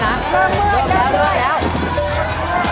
เมื่อยแล้วนะ